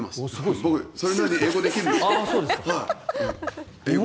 僕、それなりに英語できるんです。